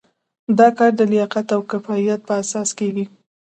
دا کار د لیاقت او کفایت په اساس کیږي.